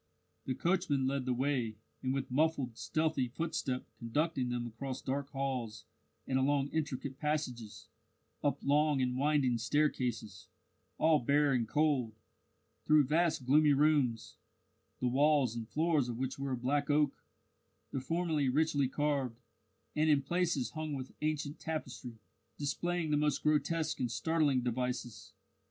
The coachman led the way, and with muffled, stealthy footstep conducted them across dark halls and along intricate passages, up long and winding staircases all bare and cold; through vast gloomy rooms, the walls and floors of which were of black oak, the former richly carved, and in places hung with ancient tapestry, displaying the most grotesque and startling devices.